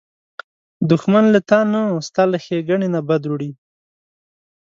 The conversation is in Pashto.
دښمن له تا نه، ستا له ښېګڼې نه بد وړي